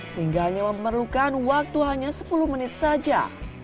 sehingga hanya memerlukan waktu hanya sepuluh menit saja